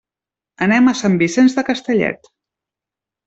Anem a Sant Vicenç de Castellet.